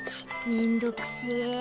めんどくせぇ。